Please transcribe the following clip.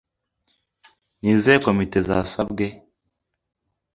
Ni izihe komite zasabwe